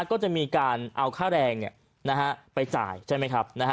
ก็จะมีการเอาค่าแรงไปจ่ายใช่ไหมครับ